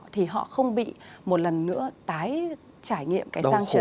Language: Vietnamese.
thì họ không bị một lần nữa tái trải nghiệm cái sang chơi